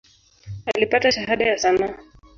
Alipata Shahada ya sanaa.